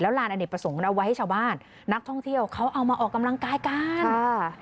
ลานอเนกประสงค์เอาไว้ให้ชาวบ้านนักท่องเที่ยวเขาเอามาออกกำลังกายกันอ่า